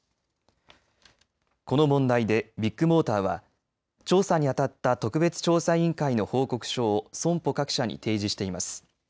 この問題でビッグモーターは調査に当たった特別調査委員会の報告書を損保各社に提示しています。